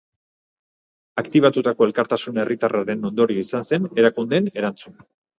Aktibatutako elkartasun herritarraren ondorio izan zen erakundeen erantzuna.